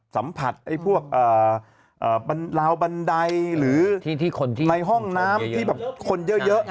สัมผัสพวกราวบันไดหรือในห้องน้ำที่แบบคนเยอะ